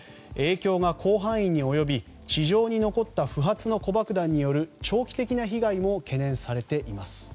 影響が広範囲に及び地上に残った不発の子爆弾による長期的な被害も懸念されています。